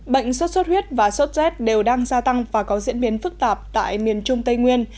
bệnh sốt sốt huyết và sốt rét đều đang gia tăng và có diễn biến phức tạp tại miền trung tây nguyên